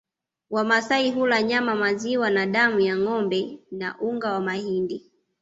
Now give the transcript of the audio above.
Wamasai hula nyama maziwa na damu ya ngombe na unga wa mahindi